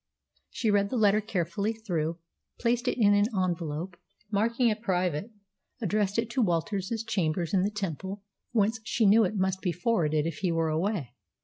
She read the letter carefully through, placed it in an envelope, and, marking it private, addressed it to Walter's chambers in the Temple, whence she knew it must be forwarded if he were away.